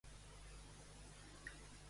I qui havia denunciat a Rivera?